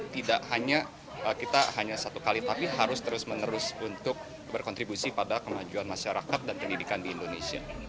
tidak hanya kita hanya satu kali tapi harus terus menerus untuk berkontribusi pada kemajuan masyarakat dan pendidikan di indonesia